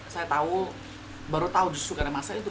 saya baru tahu justru karena masalah itu